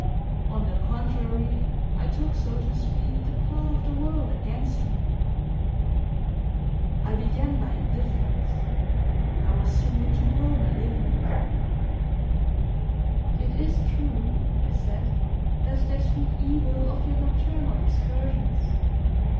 On the contrary, I took, so to speak, the part of the world against her. I began by indifference; I was soon to grow malignant. "It is true," I said, "that they speak evil of your nocturnal excursions.